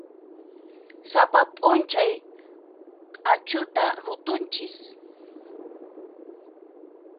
Sapa p'unchay q'achuta rutunchis.